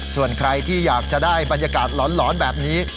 ส่วนใครที่อยากจะได้บรรยากาศหลอนแบบนี้